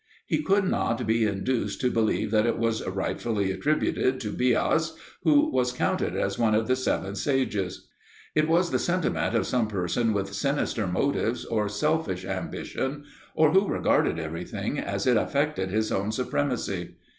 He could not be induced to believe that it was rightfully attributed to Bias, who was counted as one of the Seven Sages. It was the sentiment of some person with sinister motives or selfish ambition, or who regarded everything as it affected his own supremacy.